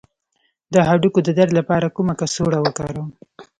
د هډوکو د درد لپاره کومه کڅوړه وکاروم؟